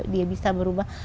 dia bisa berubah